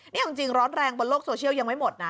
นี่เอาจริงร้อนแรงบนโลกโซเชียลยังไม่หมดนะ